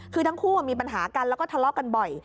คือทั้งคู่มีปัญหากันแล้วก็ทะเลาะกันบ่อย